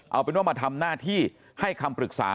เอาเป็นว่ามาทำหน้าที่ให้คำปรึกษา